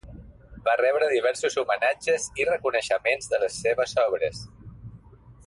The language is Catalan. Va rebre diversos homenatges i reconeixements de les seves obres.